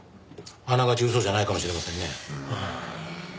あながち嘘じゃないかもしれませんね。